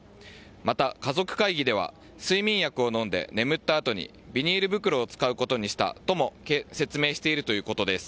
また、家族会議では睡眠薬を飲んで眠ったあとにビニール袋を使うことにしたとも説明しているということです。